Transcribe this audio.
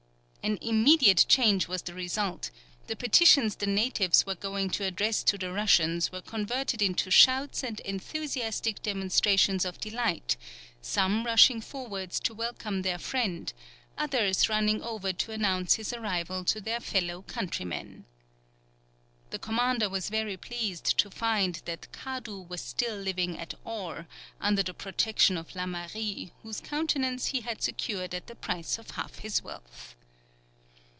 An immediate change was the result; the petitions the natives were going to address to the Russians were converted into shouts and enthusiastic demonstrations of delight, some rushing forwards to welcome their friend, others running over to announce his arrival to their fellow countrymen. The commander was very pleased to find that Kadu was still living at Aur, under the protection of Lamary, whose countenance he had secured at the price of half his wealth.